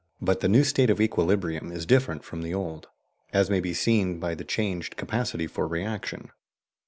But the new state of equilibrium is different from the old, as may be seen by the changed capacity for reaction.